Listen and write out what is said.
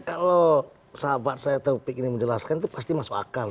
kalau sahabat saya taufik ini menjelaskan itu pasti masuk akal